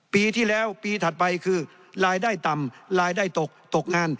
ปีที่แล้วปีถัดไปคือรายได้ต่ำรายได้ตกตกงาน